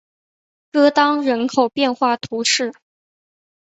戈当人口变化图示